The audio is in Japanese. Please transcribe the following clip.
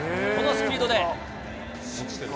このスピードで。